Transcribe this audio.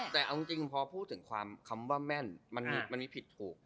แต่เอาจริงพอพูดถึงความคำว่าแม่นมันมีผิดถูก